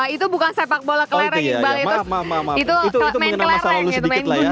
itu bukan sepak bola kelereng iqbal itu main kelereng itu main gundul aja